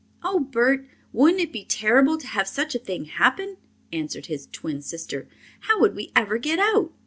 "Oh, Bert, wouldn't it be terrible to have such a thing happen!" answered his twin sister. "How would we ever get out?"